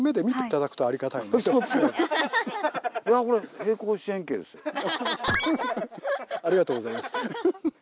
ありがとうございます。